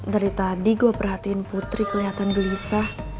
dari tadi gue perhatiin putri kelihatan gelisah